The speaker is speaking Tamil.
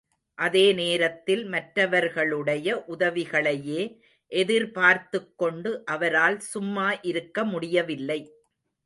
அதே நேரத்தில் மற்றவர்களுடைய உதவிகளையே எதிர்பார்த்துக் கொண்டு அவரால் சும்மா இருக்க முடியவில்லை.